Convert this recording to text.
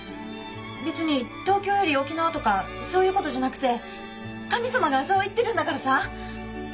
別に東京より沖縄とかそういうことじゃなくて神様がそう言ってるんだからさぁ。